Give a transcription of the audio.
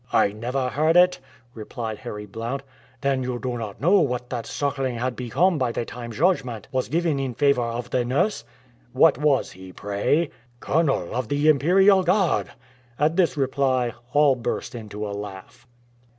"I never heard it," replied Harry Blount. "Then you do not know what that suckling had become by the time judgment was given in favor of the nurse?" "What was he, pray?" "Colonel of the Imperial Guard!" At this reply all burst into a laugh.